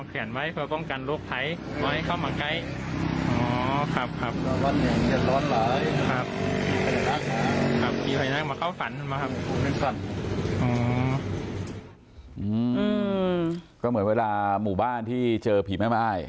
ครับครับครับครับครับครับครับก็เหมือนเวลาหมู่บ้านที่เจอผีไม่มาย